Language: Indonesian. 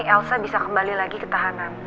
elsa bisa kembali lagi ke tahanan